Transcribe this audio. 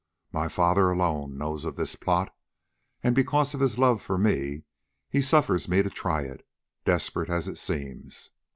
My father alone knows of this plot, and because of his love for me he suffers me to try it, desperate as it seems.